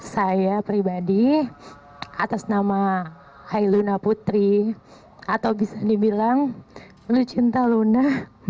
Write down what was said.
saya pribadi atas nama hai luna putri atau bisa dibilang lucinta luna